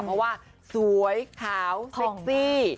เพราะว่าสวยขาวเซ็กซี่